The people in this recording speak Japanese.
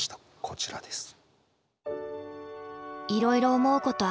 こちらです。